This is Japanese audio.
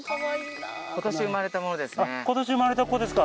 今年生まれたものですね。